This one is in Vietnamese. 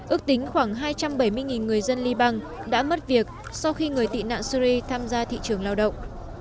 ước tính khoảng hai trăm bảy mươi người dân liban đã mất việc sau khi người tị nạn syri tham gia thị trường lao động